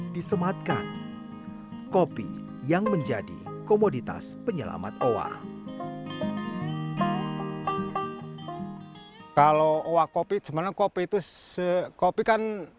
disematkan kopi yang menjadi komoditas penyelamat owa kalau wakopi jempol kopi itu se copy kan